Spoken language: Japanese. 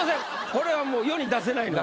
これはもう世に出せないので。